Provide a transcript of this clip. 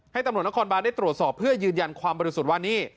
ตำรวจนครบานได้ตรวจสอบเพื่อยืนยันความบริสุทธิ์ว่านี่